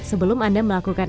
sebelum anda melakukan pembelian